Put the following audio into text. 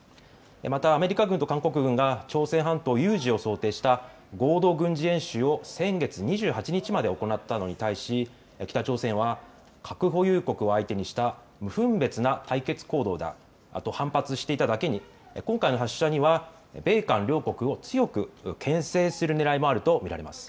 またアメリカ軍と韓国軍が朝鮮半島有事を想定した合同軍事演習を先月２８日まで行ったのに対し北朝鮮は核保有国を相手にした無分別な対決行動だと反発していただけに今回の発射には米韓両国を強くけん制するねらいもあると見られます。